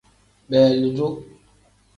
Beelidu.